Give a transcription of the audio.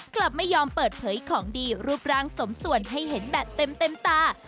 กลับไม่ยอมเปิดเผยของดีรูปร่างสมส่วนให้เห็นแบบเต็มตา